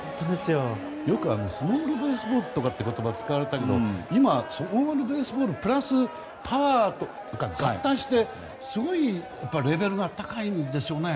よくスモールベースボールって言葉が使われたけど今、スモールベースボールプラスパワーが合体してすごいレベルが高いんですよね。